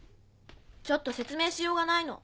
ちょっと説明しようがないの。